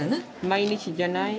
毎日じゃない？